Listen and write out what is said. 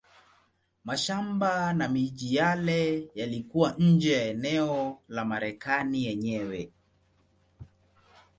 Mashamba na miji yale yalikuwa nje ya eneo la Marekani yenyewe.